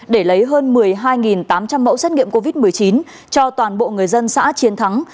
để lấy hơn một mươi hai tám trăm linh mẫu xét nghiệm covid một mươi chín cho toàn bộ người dân xã chiến thắng